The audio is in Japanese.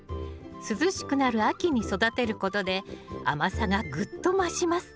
涼しくなる秋に育てることで甘さがグッと増します。